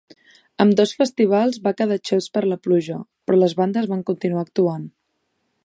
Ambdós festivals va quedar xops per la pluja, però les bandes van continuar actuant.